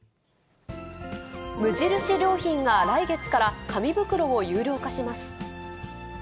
無印良品が来月から紙袋を有料化します。